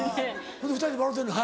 ほんで２人で笑うてんの？